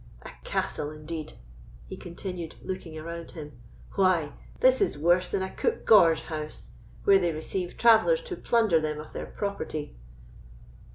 A castle indeed!" he continued, looking around him; "why, this is worse than a coupe gorge house, where they receive travellers to plunder them of their property."